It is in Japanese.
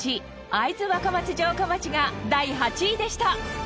会津若松城下町が第８位でした。